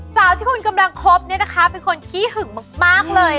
เจ้าที่คุณกำลังคอบเป็นคนหิ่งมากเลย